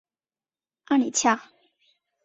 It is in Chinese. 阿里恰。